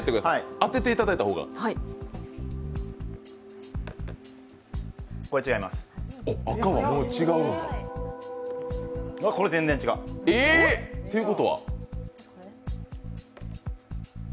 当てていただいた方が。ということは？